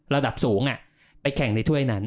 ระดับสูงไปแข่งในถ้วยนั้น